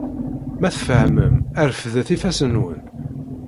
Ma tfehmem, refdet ifassen-nwen.